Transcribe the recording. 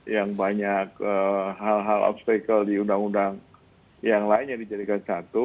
yang banyak hal hal obstacle di undang undang yang lainnya dijadikan satu